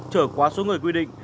trở quá số người quy định